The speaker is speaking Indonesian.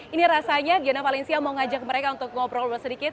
ini rasanya giana valencia mau ngajak mereka untuk ngobrol sedikit